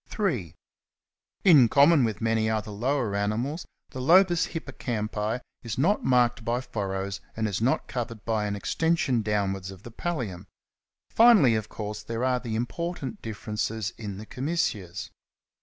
(3) In common with many other lower mammals, the lobus hippocampi is not marked by furrows, and is not covered by an extension downwards of the pallium. Finally, of course, there are the important difi^erences in the commissures.